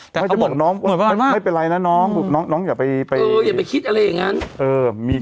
ถ้าจะบอกน้องไม่เป็นไรนะน้องอย่าไปอย่าไปคิดอะไรอย่างนั้น